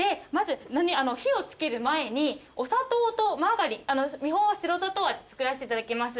火を付ける前にお砂糖とマーガリン見本は白砂糖味作らせていただきます。